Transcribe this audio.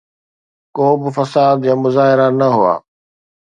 ڪو به فساد يا مظاهرا نه هئا.